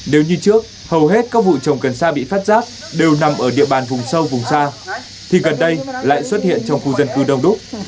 nếu như trước hầu hết các vụ trồng sa bị phát giác đều nằm ở địa bàn vùng sâu vùng xa thì gần đây lại xuất hiện trong khu dân cư đông đúc